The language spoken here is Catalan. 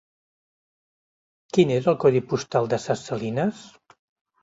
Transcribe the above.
Quin és el codi postal de Ses Salines?